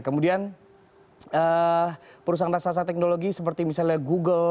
kemudian perusahaan rasa rasa teknologi seperti misalnya google